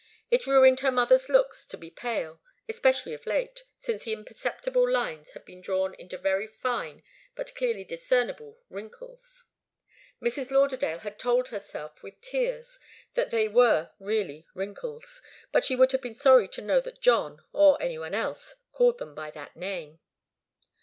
It ruined her mother's looks to be pale, especially of late, since the imperceptible lines had been drawn into very fine but clearly discernible wrinkles. Mrs. Lauderdale had told herself with tears that they were really wrinkles, but she would have been sorry to know that John, or any one else, called them by that name.